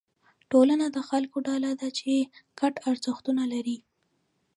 ټولنه د خلکو ډله ده چې ګډ ارزښتونه لري.